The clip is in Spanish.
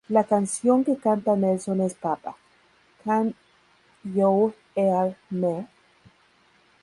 La canción que canta Nelson es Papa, Can You Hear Me?